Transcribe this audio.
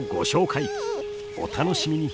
お楽しみに！